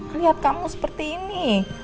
ngelihat kamu seperti ini